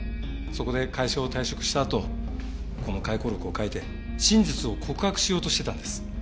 そこで会社を退職したあとこの回顧録を書いて真実を告白しようとしてたんです。